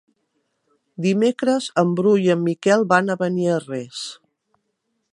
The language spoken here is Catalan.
Dimecres en Bru i en Miquel van a Beniarrés.